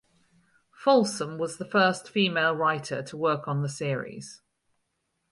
Folsom was the first female writer to work on the series.